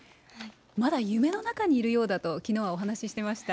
まだ夢の中にいるようだときのうはお話してました。